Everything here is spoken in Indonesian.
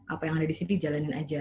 apa yang ada disini jalanin aja